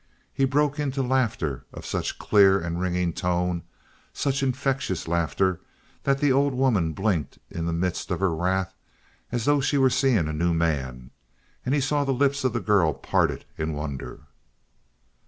He broke into laughter of such clear and ringing tone such infectious laughter that the old woman blinked in the midst of her wrath as though she were seeing a new man, and he saw the lips of the girl parted in wonder.